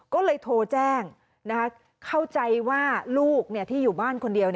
ก็เลยโทรแจ้งเข้าใจว่าลูกที่อยู่บ้านคนเดียว